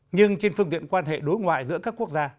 nhưng trên phương diện quan hệ đối ngoại giữa các quốc gia